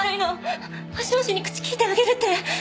ファッション誌に口利いてあげるって。